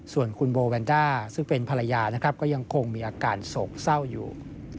ส่วนคุณโบแวนด้าซึ่งเป็นภรรยานะครับก็ยังคงมีอาการโศกเศร้าอยู่